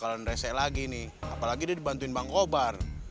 dan resek lagi nih apalagi dia dibantuin bang obar